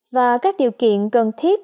và các điều kiện cần thiết